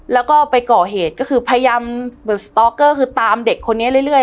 แล้วก็ไปก่อเหตุก็คือพยายามเหมือนคือตามเด็กคนนี้เรื่อยเรื่อย